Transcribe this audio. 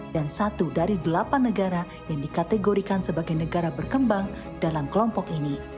dan satu dari delapan negara yang dikategorikan sebagai negara berkembang dalam kelompok ini